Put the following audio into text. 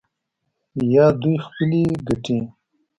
یا دوی خپلې ګټې